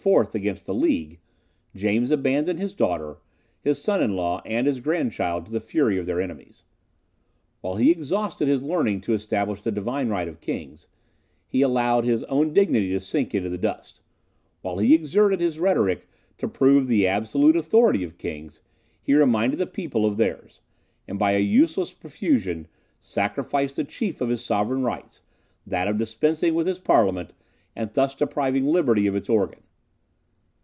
against the League, James abandoned his daughter, his son in law, and his grandchild, to the fury of their enemies. While he exhausted his learning to establish the divine right of kings, he allowed his own dignity to sink into the dust; while he exerted his rhetoric to prove the absolute authority of kings, he reminded the people of theirs; and by a useless profusion, sacrificed the chief of his sovereign rights that of dispensing with his parliament, and thus depriving liberty of its organ.